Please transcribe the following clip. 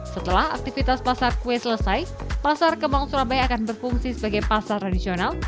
setelah aktivitas pasar kue selesai pasar kemang surabaya akan berfungsi sebagai pasar tradisional